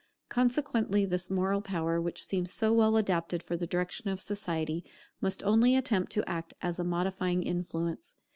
Consequently this moral power, which seems so well adapted for the direction of society, must only attempt to act as a modifying influence.